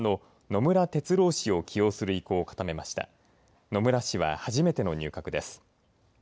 野村氏は初めての入閣です。